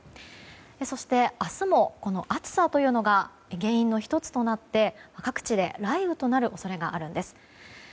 そして明日も、暑さというのが原因の１つとなって各地で雷雨となる恐れがあるんです。